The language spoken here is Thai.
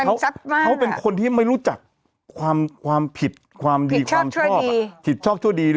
เขาเป็นคนที่ไม่รู้จักความผิดความดีความชอบผิดชอบชั่วดี